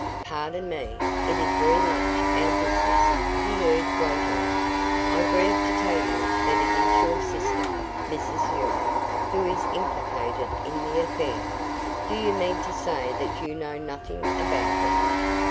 "Pardon me it is very much our business," he urged weightily. "I grieve to tell you that it is your sister, Mrs Ewing, who is implicated in the affair. Do you mean to say that you know nothing about it?"